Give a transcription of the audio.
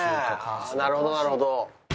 なるほどなるほど。